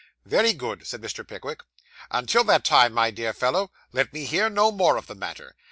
'Very good,' said Mr. Pickwick. 'Until that time, my dear fellow, let me hear no more of the matter.